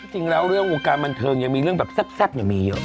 จริงแล้วเรื่องวงการบันเทิงยังมีเรื่องแบบแซ่บมีเยอะ